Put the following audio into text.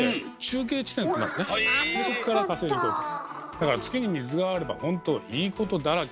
だから月に水があればほんといいことだらけ。